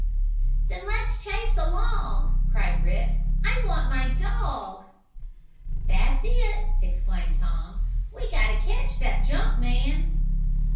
"Then let's chase along!" cried Rick. "I want my dog!" "That's it!" exclaimed Tom. "We got to catch that junk man!"